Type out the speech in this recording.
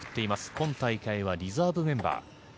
今大会はリザーブメンバー。